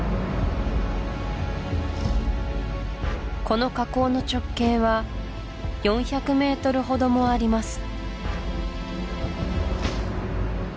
この火口の直径は４００ｍほどもあります